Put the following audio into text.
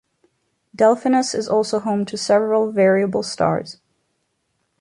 Delphinus is also home to several variable stars.